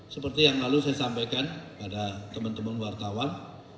seperti yang lalu saya sampaikan pada teman teman wartawan